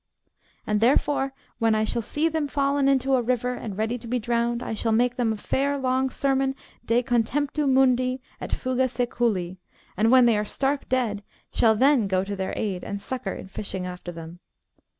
And therefore when I shall see them fallen into a river, and ready to be drowned, I shall make them a fair long sermon de contemptu mundi, et fuga seculi; and when they are stark dead, shall then go to their aid and succour in fishing after them.